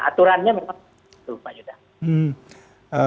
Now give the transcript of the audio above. aturannya memang itu pak yudha